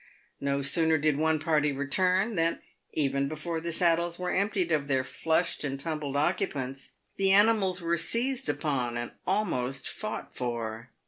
No sooner did one party return, than, even before the saddles were emptied of their flushed and tumbled occupants, the animals were seized upon and almost fought for.